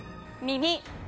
耳。